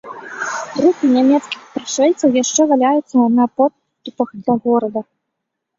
Трупы нямецкіх прышэльцаў яшчэ валяюцца на подступах да горада.